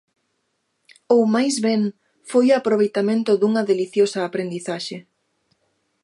Ou máis ben: foi o aproveitamento dunha deliciosa aprendizaxe.